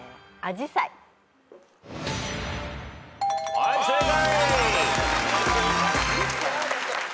はい正解。